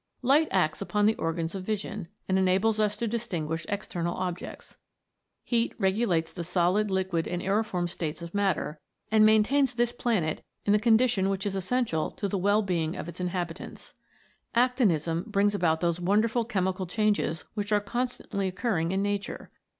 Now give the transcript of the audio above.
Light acts upon the organs of vision, and enables us to distinguish external objects. Heat regulates the solid, liquid, and aeriform states of matter, and maintains this planet in the condition which is essential to the well being of its inhabitants. Actinism brings about those wonderful chemical changes which are constantly occurring in nature.